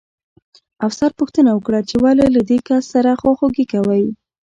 افسر پوښتنه وکړه چې ولې له دې کس سره خواخوږي کوئ